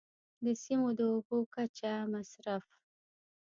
د سیمو د اوبو کچه، مصرف.